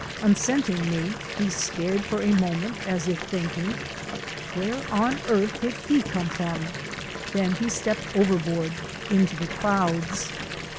On scenting me he stared for a moment, as if thinking: "Where on earth did he come from ?" Then he stepped overboard into the clouds.